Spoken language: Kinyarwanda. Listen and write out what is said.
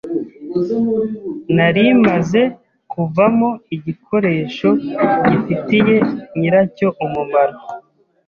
nari maze kuvamo igikoresho gifitiye nyiracyo umumaro